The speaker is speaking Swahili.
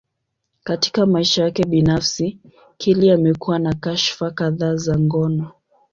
Katika maisha yake binafsi, Kelly amekuwa na kashfa kadhaa za ngono.